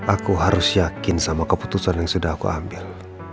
aku harus yakin sama keputusan yang sudah aku ambil